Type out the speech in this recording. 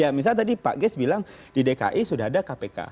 ya misalnya tadi pak ges bilang di dki sudah ada kpk